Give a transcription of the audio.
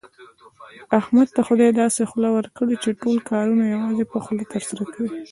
احمد ته خدای داسې خوله ورکړې، چې ټول کارونه یوازې په خوله ترسره کوي.